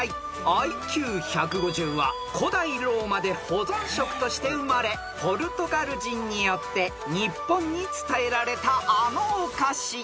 ［ＩＱ１５０は古代ローマで保存食として生まれポルトガル人によって日本に伝えられたあのお菓子］